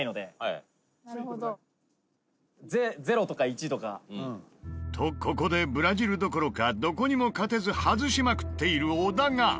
「０とか１とか」とここでブラジルどころかどこにも勝てず外しまくっている小田が。